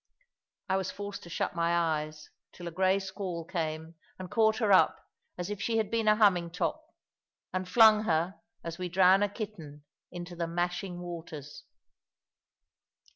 I was forced to shut my eyes; till a grey squall came, and caught her up, as if she had been a humming top, and flung her (as we drown a kitten) into the mashing waters.